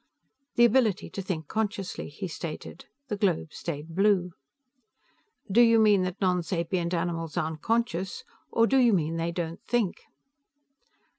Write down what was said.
"The ability to think consciously," he stated. The globe stayed blue. "Do you mean that nonsapient animals aren't conscious, or do you mean they don't think?"